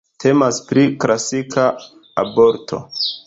Temas pri klasika aborto.